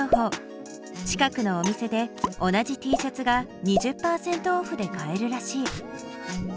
近くのお店で同じＴシャツが２０％オフで買えるらしい。